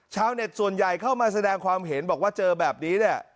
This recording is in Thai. ชาวเน็ตส่วนใหญ่เข้ามาแสดงความเห็นบอกว่าเจอแบบนี้เนี่ย